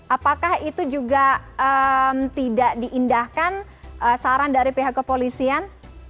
apakah itu juga tidak diindahkan saran dari pihak kepolisian